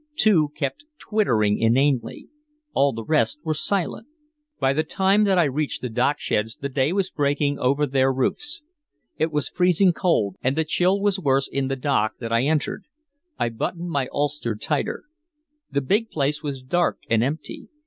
Two kept tittering inanely. All the rest were silent. By the time that I reached the docksheds the day was breaking over their roofs. It was freezing cold, and the chill was worse in the dock that I entered. I buttoned my ulster tighter. The big place was dark and empty.